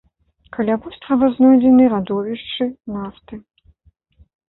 Каля вострава знойдзены радовішчы нафты.